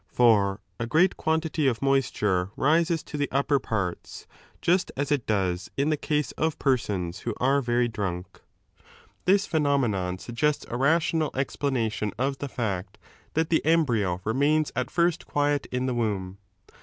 For a great quantity of moisture rises to the upper parta, just as it does in the case of persons who are very drunk. This phenomenon suggests a rational explanation of the fact that the 16 embryo remains at first quiet in the womb.